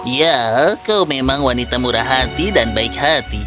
ya kau memang wanita murah hati dan baik hati